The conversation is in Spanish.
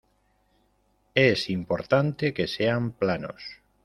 Es importante que sean planos.